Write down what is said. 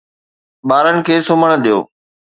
ٻارن کي سمهڻ ڏيو